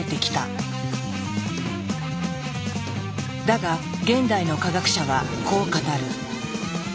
だが現代の科学者はこう語る。